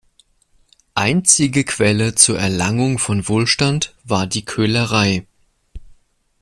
Einzige Quelle zur Erlangung von Wohlstand war die Köhlerei.